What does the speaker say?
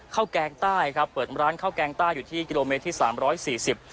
แกงใต้ครับเปิดร้านข้าวแกงใต้อยู่ที่กิโลเมตรที่สามร้อยสี่สิบ